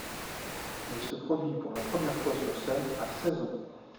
Elle se produit pour la première fois sur scène à seize ans.